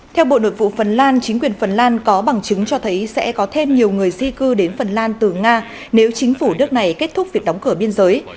theo bộ nội vụ vân lan chính quyền vân lan có bằng chứng cho thấy sẽ có thêm nhiều người di cư đến vân lan từ nga nếu chính phủ đất này kết thúc việc đóng cửa biên giới